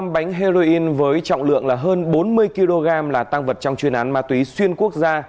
một trăm một mươi năm bánh heroin với trọng lượng hơn bốn mươi kg là tang vật trong chuyên án ma túy xuyên quốc gia